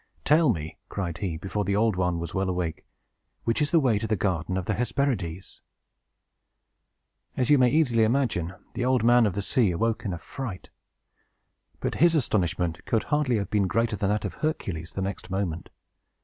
"Tell me," cried he, before the Old One was well awake, "which is the way to the garden of the Hesperides?" [Illustration: HERCVLES & THE OLD MAN OF THE SEA] As you may easily imagine, the Old Man of the Sea awoke in a fright. But his astonishment could hardly have been greater than was that of Hercules, the next moment.